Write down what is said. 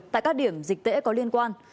tại các điểm dịch tễ có liên quan